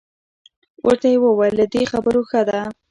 ورته یې وویل له دې خبرو ښه ده.